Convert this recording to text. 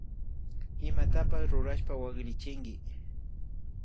Imatapash rurashpa waklichinchik